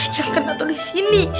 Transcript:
yang kena tuh disini